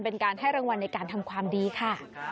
เป็นการให้รางวัลในการทำความดีค่ะ